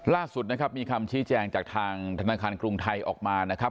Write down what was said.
ล่าสุดนะครับมีคำชี้แจงจากทางธนาคารกรุงไทยออกมานะครับ